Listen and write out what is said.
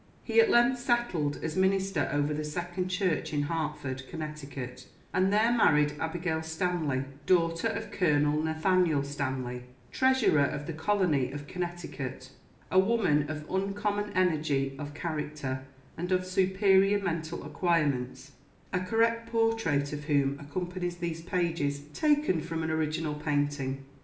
He at length settled as minister over the Second Church in Hartford, Connecticut, and there married Abigail Stanley, daughter of Colonel Nathaniel Stanley, treasurer of the colony of Connecticut, a woman of uncommon energy of character and of superior mental acquirements, (a correct portrait of whom accompanies these pages, taken from an original painting.)